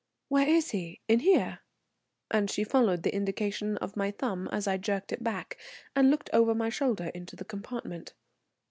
"Where is he? In here?" and she followed the indication of my thumb as I jerked it back, and looked over my shoulder into the compartment.